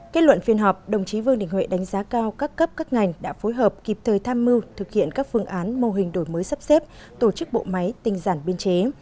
kết luận phiên họp đồng chí vương đình huệ đánh giá cao các cấp các ngành đã phối hợp kịp thời tham mưu thực hiện các phương án mô hình đổi mới sắp xếp tổ chức bộ máy tinh giản biên chế